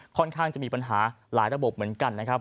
ค่อนข้างจะมีปัญหาหลายระบบเหมือนกันนะครับ